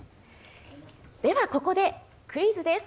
ではここでクイズです。